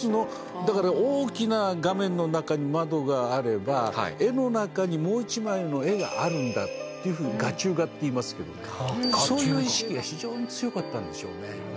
だから大きな画面の中に窓があれば絵の中にもう一枚の絵があるんだって画中画っていいますけどねそういう意識が非常に強かったんでしょうね。